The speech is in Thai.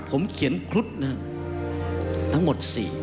ผมเขียนคฤทธิ์ทั้งหมด๔